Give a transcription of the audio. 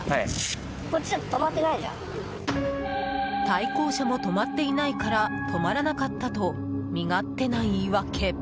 対向車も止まっていないから止まらなかったと身勝手な言い訳。